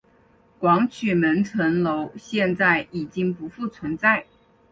广渠门城楼现在已经不复存在。